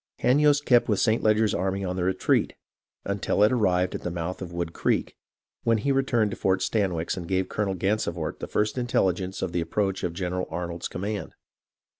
" Hanyost kept with St. Leger's army on the retreat, until it arrived at the mouth of Wood Creek, when he returned to Fort Stanwix and gave Colonel Gansevoort the first in telligence of the approach of General Arnold's command.